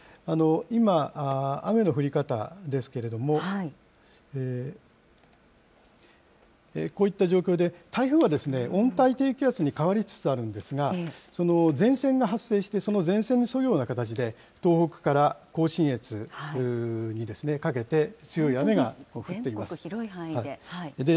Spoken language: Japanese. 今、雨の降り方ですけれども、こういった状況で、台風は温帯低気圧に変わりつつあるんですが、その前線が発生して、その前線に沿うような形で東北から甲信越に全国広い範囲で。